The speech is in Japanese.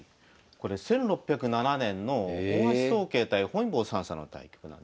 これ１６０７年の大橋宗桂対本因坊算砂の対局なんですね。